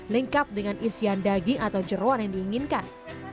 lengkap dengan isian daging atau jeruan yang diinginkan